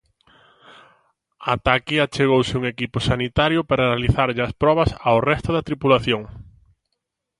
Ata aquí achegouse un equipo sanitario para realizarlle as probas ao resto da tripulación.